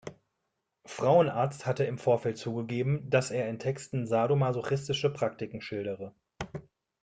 Frauenarzt hatte im Vorfeld zugegeben, dass er in Texten sadomasochistische Praktiken schildere.